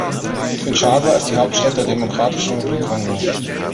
Kinshasa ist die Hauptstadt der Demokratischen Republik Kongo.